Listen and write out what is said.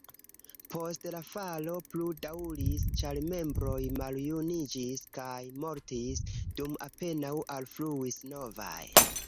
Poste la falo plu daŭris, ĉar membroj maljuniĝis kaj mortis, dum apenaŭ alfluis novaj.